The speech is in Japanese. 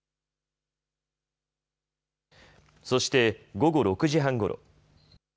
そして午後６時半ごろ。